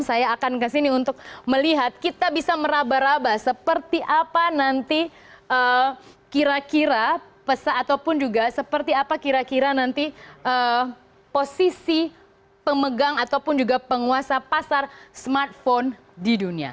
saya akan kesini untuk melihat kita bisa meraba raba seperti apa nanti kira kira pesan ataupun juga seperti apa kira kira nanti posisi pemegang ataupun juga penguasa pasar smartphone di dunia